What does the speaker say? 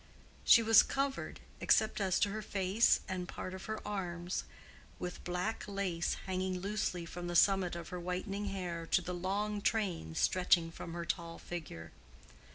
She was covered, except as to her face and part of her arms, with black lace hanging loosely from the summit of her whitening hair to the long train stretching from her tall figure.